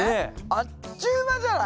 あっちゅう間じゃない！